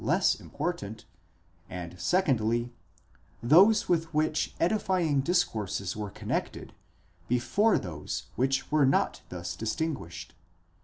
less important; and secondly, those with which edifying discourses were connected, before those which were not thus dis tinguished.